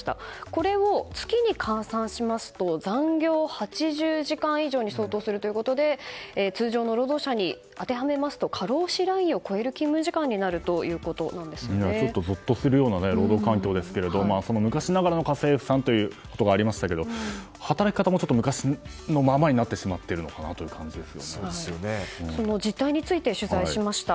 これを月に換算しますと残業８０時間以上に相当するということで通常の労働者に当てはめますと過労死ラインを超える勤務時間にぞっとするような労働環境ですけれども昔ながらの家政婦さんということがありましたが働き方も、昔のままになってしまってるのかなというその実態について取材しました。